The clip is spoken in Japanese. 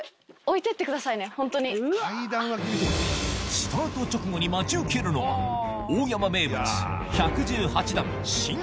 スタート直後に待ち受けるのは大山名物